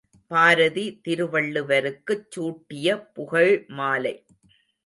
பாரதி, திருவள்ளுவருக்குச் சூட்டிய புகழ்மாலை.